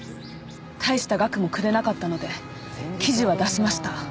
大した額もくれなかったので記事は出しました。